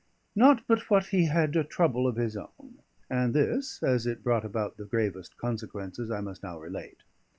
Not but what he had a trouble of his own; and this, as it brought about the gravest consequences, I must now relate.